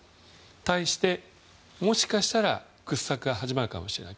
対して、もしかしたら掘削が始まるかもしれない。